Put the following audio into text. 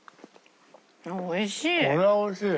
おいしい！